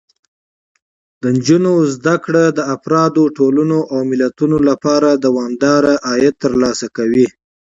د نجونو زده کړه د افرادو، ټولنو او ملتونو لپاره دوامداره عاید ترلاسه کوي.